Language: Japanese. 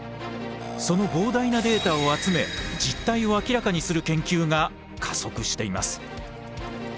その膨大なデータを集め実態を明らかにする研究が加速しています。